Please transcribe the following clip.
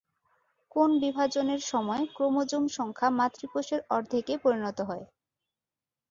কোন বিভাজনের সময় ক্রোমোজোম সংখ্যা মাতৃকোষের অর্ধেকে পরিণত হয়?